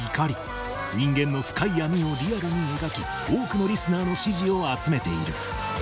人間の深い闇をリアルに描き多くのリスナーの支持を集めている。